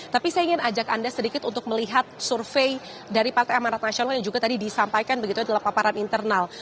tapi saya ingin ajak anda sedikit untuk melihat survei dari partai amarat nasional yang juga tadi disampaikan begitu dalam paparan internal